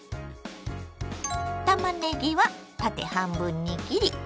たまねぎは縦半分に切り縦に薄切り。